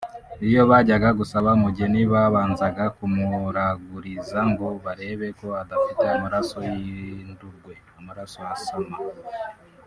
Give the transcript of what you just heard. Iyo bajyaga gusaba umugeni ; babanzaga kumuraguriza ngo barebe ko adafite amaraso y’indurwe (amaraso asama)